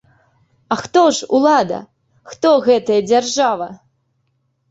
А хто ж улада, хто гэтая дзяржава?!